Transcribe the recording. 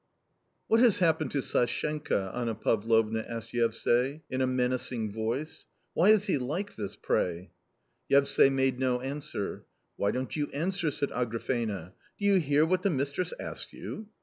"What has happened to Sashenka?" she asked in a menacing voice ;" why is he like this — pray !" Yevsay made no answer. " Why don't you answer ?" said Agrafena ;" do you hear what the mistress asks you